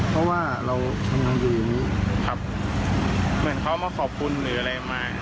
เพราะว่าเรากำลังอยู่อย่างนี้ครับเหมือนเขามาขอบคุณหรืออะไรมา